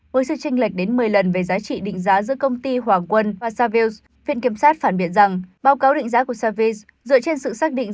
với sự tranh lệch đến một mươi lần về giá trị định giá giữa công ty hoàng quân và savils viện kiểm soát phản biện rằng báo cáo định giá của savils dựa trên sự xác định